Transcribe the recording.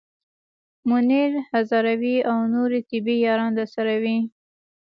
منیر هزاروی او نورې طبې یاران درسره وي.